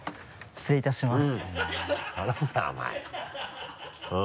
失礼いたします。